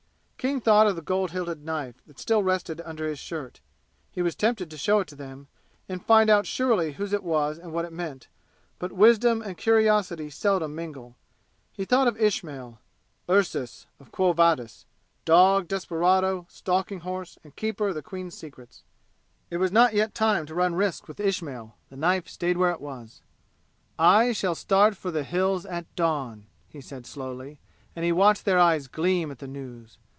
King thought of the gold hilted knife, that still rested under his shirt. He was tempted to show it to them and find out surely whose it was and what it meant. But wisdom and curiosity seldom mingle. He thought of Ismail "Ursus, of Quo Vadis dog, desperado, stalking horse and Keeper of the Queen's secrets." It was not time yet to run risks with Ismail. The knife stayed where it was. "I shall start for the Hills at dawn," he said slowly, and he watched their eyes gleam at the news.